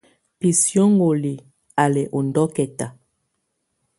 Bisióŋgoli á lɛ ɔ ndɔkɛta.